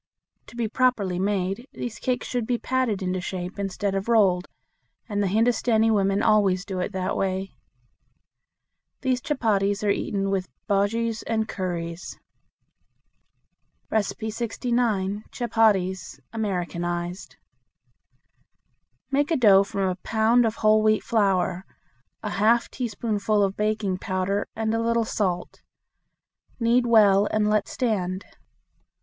To be properly made these cakes should be patted into shape instead of rolled, and the Hindustani women always do it that way. These chupatties are eaten with bujeas and curries. 69. Chupatties (Americanized). Make a dough from a pound of whole wheat flour, a half teaspoonful of baking powder, and a little salt. Knead well and let stand.